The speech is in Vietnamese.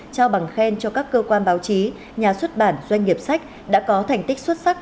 trao bằng khen cho các cơ quan báo chí nhà xuất bản doanh nghiệp sách đã có thành tích xuất sắc